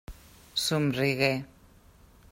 Somrigué.